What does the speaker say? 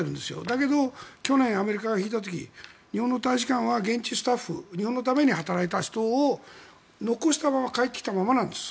だけど去年、アメリカが引いた時日本の大使館は現地スタッフ日本のために働いた人を残したまま帰ってきたままなんです。